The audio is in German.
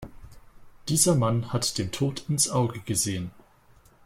Dieser Mann hat dem Tod ins Auge gesehen.